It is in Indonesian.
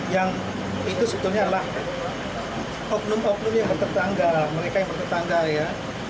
yang itu sebetulnya adalah oknum oknum yang bertetangga mereka yang bertetangga ya